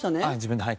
はい。